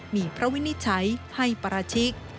มีพระวินิจฉัยให้ปราชิก